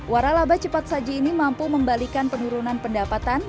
warah laba cepat saji ini mampu membalikan penurunan pendapatan